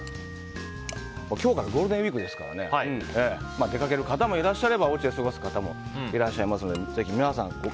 今日からゴールデンウィークですから出かける方もいらっしゃればおうちで過ごす方もいらっしゃいますのでぜひ皆さん